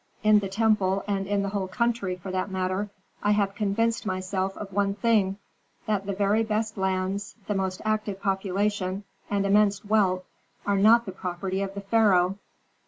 In the temple, and in the whole country, for that matter, I have convinced myself of one thing, that the very best lands, the most active population, and immense wealth are not the property of the pharaoh."